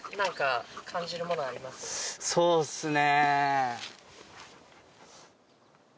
そうっすね。